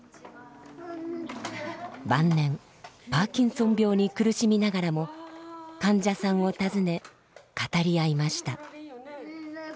晩年パーキンソン病に苦しみながらも患者さんを訪ね語り合いました。